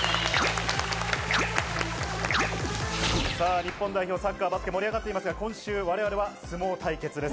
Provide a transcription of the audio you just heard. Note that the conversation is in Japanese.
日本代表サッカー、バスケ、盛り上がっていますが、今週我々は相撲対決です。